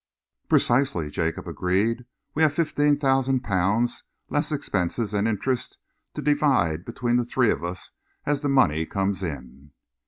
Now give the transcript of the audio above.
"Precisely," Jacob agreed. "We have fifteen thousand pounds, less expenses and interest, to divide between the three of us as the money comes in."